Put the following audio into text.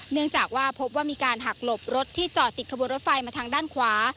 เนื่องจากว่าพบว่ามีการหักหลบรถที่จอดติดขบวนรถไฟมาทางด้านขวา